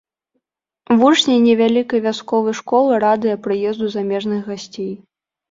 Вучні невялікай вясковай школы радыя прыезду замежных гасцей.